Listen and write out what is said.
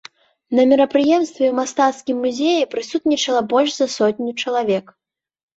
На мерапрыемстве ў мастацкім музеі прысутнічала больш за сотню чалавек.